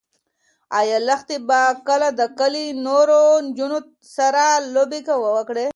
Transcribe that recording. ایا لښتې به کله د کلي له نورو نجونو سره لوبې وکړي؟